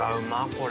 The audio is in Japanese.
これ。